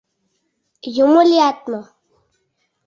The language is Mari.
Юмо лият мо?